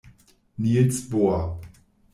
Nils Bohr